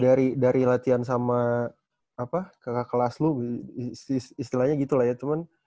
tapi ya dari latihan sama kakak kelas lu istilahnya gitu lah ya temen